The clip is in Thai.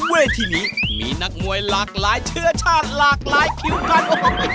เวทีนี้มีนักมวยหลากหลายเชื้อชาติหลากหลายคิวกันโอ้โห